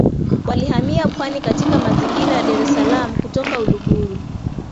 Walihamia pwani katika mazingira ya Dar es salaam kutoka Uluguru